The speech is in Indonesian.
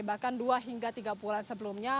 bahkan dua hingga tiga bulan sebelumnya